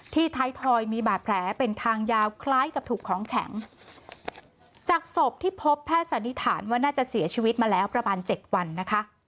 ท้ายทอยมีบาดแผลเป็นทางยาวคล้ายกับถูกของแข็งจากศพที่พบแพทย์สันนิษฐานว่าน่าจะเสียชีวิตมาแล้วประมาณเจ็ดวันนะคะ